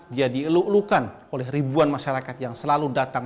dia dieluk elukan oleh ribuan masyarakat yang selalu datang